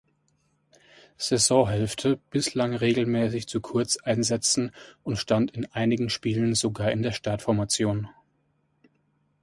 Saisonhälfte bislang regelmäßig zu Kurzeinsätzen und stand in einigen Spielen sogar in der Startformation.